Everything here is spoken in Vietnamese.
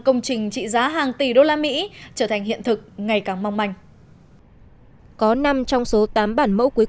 công trình trị giá hàng tỷ usd trở thành hiện thực ngày càng mong manh có năm trong số tám bản mẫu cuối